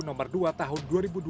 nomor dua tahun dua ribu dua puluh